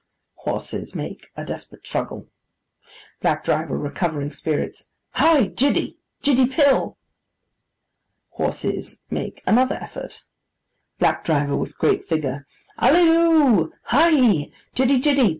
Horses make a desperate struggle. BLACK DRIVER (recovering spirits). 'Hi, Jiddy, Jiddy, Pill!' Horses make another effort. BLACK DRIVER (with great vigour). 'Ally Loo! Hi. Jiddy, Jiddy.